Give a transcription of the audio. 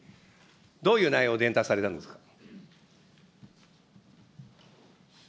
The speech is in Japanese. どういう内容を伝達されたんですか。